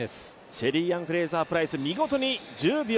シェリーアン・フレイザー・プライス見事に１０秒８７